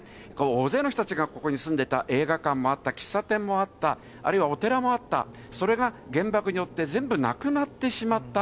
大勢の人たちがここに住んでた、映画館もあった、喫茶店もあった、あるいはお寺もあった、それが原爆によって、全部なくなってしまった。